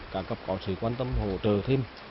có sự quan tâm hỗ trợ thêm